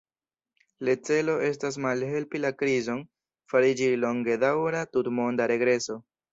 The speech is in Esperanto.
Le celo estas malhelpi la krizon fariĝi longedaŭra tutmonda regreso.